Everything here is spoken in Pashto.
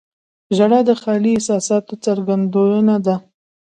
• ژړا د داخلي احساساتو څرګندونه ده.